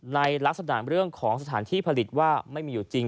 ในลักษณะเรื่องของสถานที่ผลิตว่าไม่มีอยู่จริง